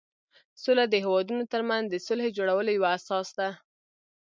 سوله د هېوادونو ترمنځ د صلحې جوړولو یوه اساس ده.